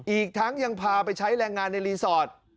อีกทั้งยังพาไปใช้แรงงานในรีสอร์ท